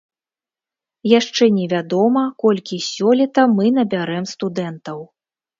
Яшчэ невядома, колькі сёлета мы набярэм студэнтаў.